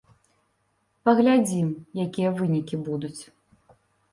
Паглядзім, якія вынікі будуць.